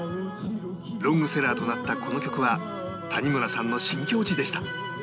ロングセラーとなったこの曲は谷村さんの新境地でした